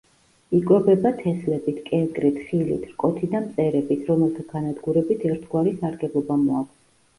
იკვებება თესლებით, კენკრით, ხილით, რკოთი და მწერებით, რომელთა განადგურებით ერთგვარი სარგებლობა მოაქვს.